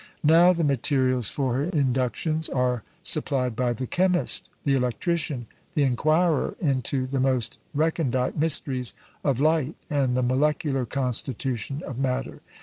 Now the materials for her inductions are supplied by the chemist, the electrician, the inquirer into the most recondite mysteries of light and the molecular constitution of matter.